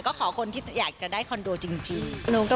ก็ขอคนที่อยากจะได้คอนโดจริง